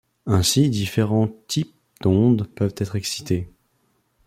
Ainsi différents types d'ondes peuvent être excités.